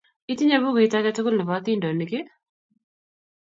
Itinye pukuit ake tukul nepo atindyonik ii?